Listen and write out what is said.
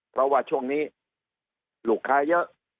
เพราะว่าช่วงนี้ลูกค้าเยอะ